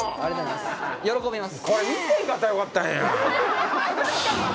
喜びます。